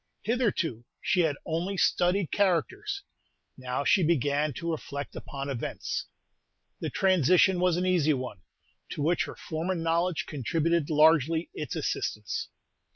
Hitherto she had only studied characters; now she began to reflect upon events. The transition was an easy one, to which her former knowledge contributed largely its assistance.